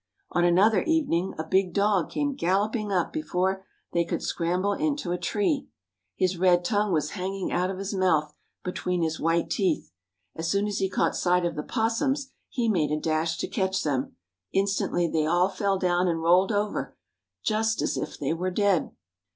On another evening a big dog came galloping up before they could scramble into a tree. His red tongue was hanging out of his mouth between his white teeth. As soon as he caught sight of the opossums he made a dash to catch them. Instantly they all fell down and rolled over, just as if they were dead.